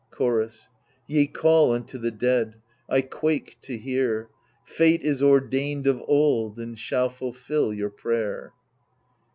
Chorus Ye call unto the dead ; I quake to hear. Fate is ordained of old, and shall fulfil your prayer.